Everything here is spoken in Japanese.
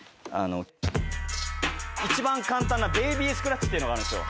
一番簡単なベイビースクラッチっていうのがあるんですよ。